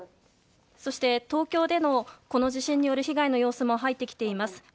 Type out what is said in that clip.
東京でも地震による被害の様子が入ってきています。